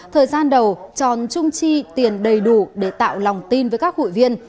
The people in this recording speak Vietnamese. thời gian đầu tròn trung chi tiền đầy đủ để tạo lòng tin với các hội viên